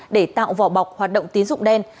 để tạo vỏ bọc hoạt động tín dụng đen